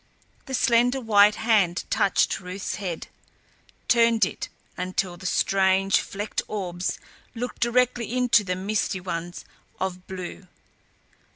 The slender white hand touched Ruth's head, turned it until the strange, flecked orbs looked directly into the misty ones of blue.